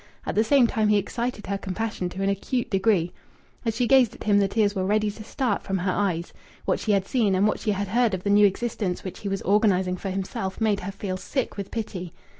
At the same time, he excited her compassion to an acute degree. As she gazed at him the tears were ready to start from her eyes. What she had seen, and what she had heard of the new existence which he was organizing for himself made her feel sick with pity.